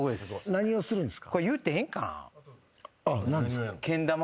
何をするんですか？